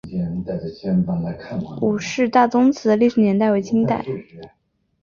伍氏大宗祠的历史年代为清代。